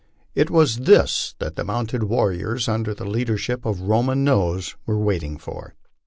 It was this that the mounted warriors, under the leadership of Roman Nose, were waiting for.